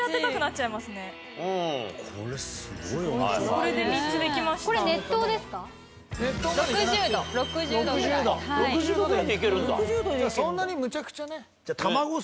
じゃあそんなにむちゃくちゃね。